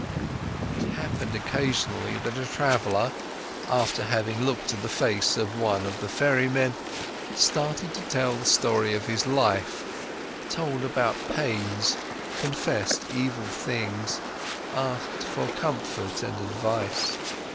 It happened occasionally that a traveller, after having looked at the face of one of the ferrymen, started to tell the story of his life, told about pains, confessed evil things, asked for comfort and advice.